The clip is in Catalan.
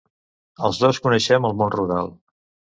Els dos coneixem el món rural .